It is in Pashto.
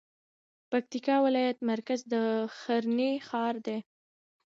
پکتيکا ولايت مرکز د ښرنې ښار دی